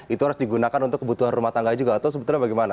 itu harus digunakan untuk kebutuhan rumah tangga juga atau sebetulnya bagaimana